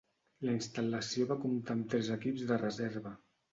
La instal·lació va comptar amb tres equips de reserva.